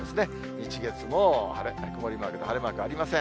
日、月も晴れ、曇り空で晴れマークありません。